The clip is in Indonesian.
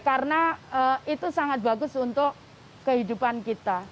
karena itu sangat bagus untuk kehidupan kita